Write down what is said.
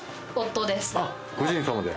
あっご主人様で。